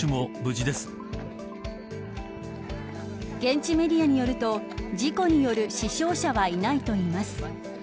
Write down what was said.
現地メディアによると事故による死傷者はいないといいます。